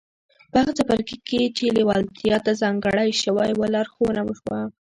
په هغه څپرکي کې چې لېوالتیا ته ځانګړی شوی و لارښوونه وشوه.